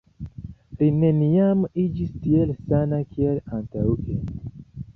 Li neniam iĝis tiel sana kiel antaŭe.